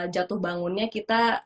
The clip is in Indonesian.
jatuh bangunnya kita